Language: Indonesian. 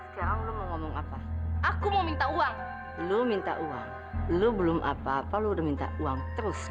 sekarang lo mau ngomong apa aku mau minta uang lu minta uang lu belum apa apa lo udah minta uang terus